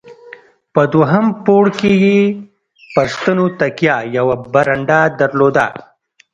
په دوهم پوړ کې یې پر ستنو تکیه، یوه برنډه درلوده.